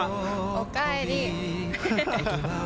おかえり。